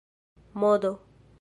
modo